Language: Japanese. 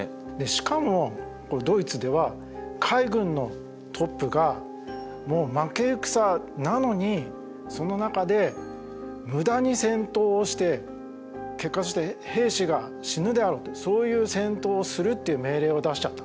しかもドイツでは海軍のトップがもう負け戦なのにその中で無駄に戦闘をして結果として兵士が死ぬであろうってそういう戦闘をするっていう命令を出しちゃった。